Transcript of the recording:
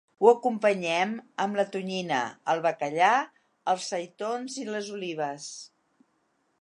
Ho acompanyem amb la tonyina, el bacallà, els seitons i les olives.